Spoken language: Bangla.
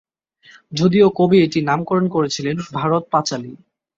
যদিও কবি এটির নামকরণ করেছিলেন "ভারত-পাঁচালী"।